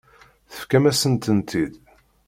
Tefkam-asen-tent-id.